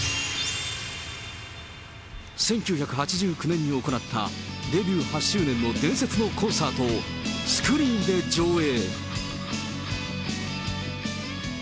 １９８９年に行ったデビュー８周年の伝説のコンサートをスクリーンで上映。